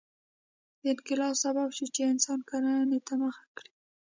دا انقلاب سبب شو چې انسان کرنې ته مخه کړي.